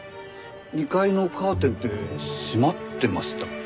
２階のカーテンって閉まってましたっけ？